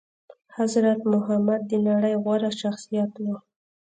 حضرت محمد د نړي غوره شخصيت وو